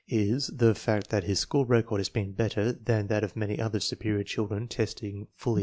is the fact that his school record has been better than that of many other superior children testing fully as high.